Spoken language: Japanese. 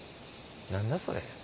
何だそれ？